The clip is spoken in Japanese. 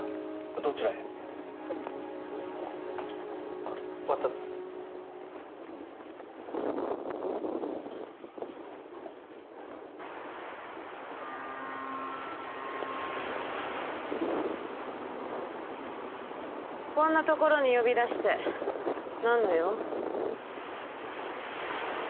どちらへわたこんな所に呼び出して何の用？